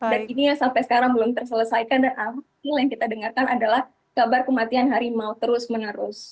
dan ini yang sampai sekarang belum terselesaikan dan amat yang kita dengarkan adalah kabar kematian harimau terus menerus